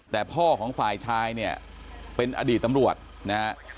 แต่พ่อของฝ่ายชายเนี่ยเป็นอดีตตำรวจนะฮะ